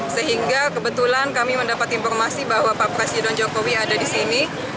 sehingga kebetulan kami mendapat informasi bahwa pak presiden jokowi ada di sini